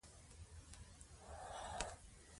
موږ باید د ناسم دودونو مخه ونیسو.